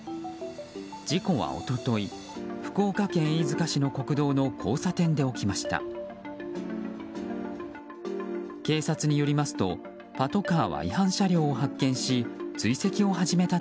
事故は一昨日福岡県飯塚市の国道の交差点で起きました。